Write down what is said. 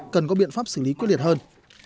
cần có biện pháp xử lý quyết liệt hơn